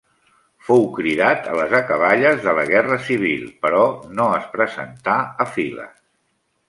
Fou cridat a les acaballes de la Guerra Civil però no es presentà a files.